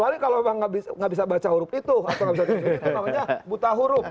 atau nggak bisa baca huruf itu namanya buta huruf